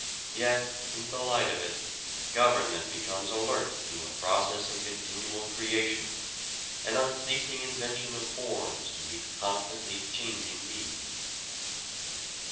Yet in the light of it government becomes alert to a process of continual creation, an unceasing invention of forms to meet constantly changing needs.